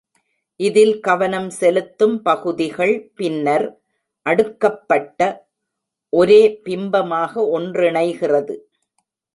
இதில் கவனம் செலுத்தும் பகுதிகள் பின்னர் "அடுக்கப்பட்ட "; ஒரே பிம்பமாக ஒன்றிணைகிறது.